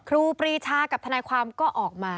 ครูปรีชากับทนายความก็ออกมา